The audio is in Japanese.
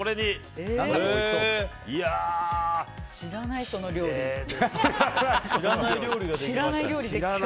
知らない、その料理。